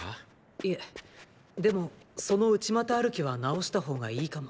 いえでもその内股歩きは直した方がいいかも。